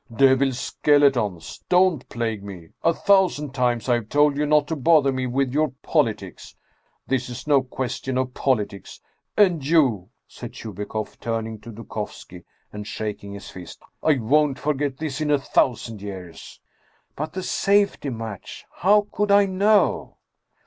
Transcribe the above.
" Devils' skeletons ! Don't plague me ! A thousand times I have told you not to bother me with your politics ! This is no question of politics ! And you," said Chubikoff, turning to Dukovski and shaking his fist, " I won't forget this in a thousand years !"" But the safety match? How could I know?